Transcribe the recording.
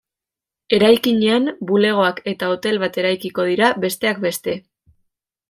Eraikinean, bulegoak eta hotel bat eraikiko dira besteak beste.